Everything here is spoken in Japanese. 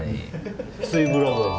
ヒスイブラザーズ。